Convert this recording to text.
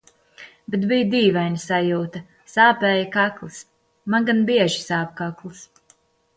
Bet bija dīvaina sajūta. Sāpēja kakls. Man gan bieži sāp kakls.